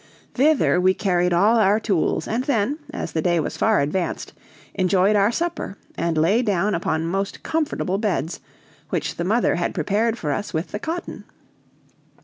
Thither we carried all our tools, and then, as the day was far advanced, enjoyed our supper, and lay down upon most comfortable beds, which the mother had prepared for us with the cotton.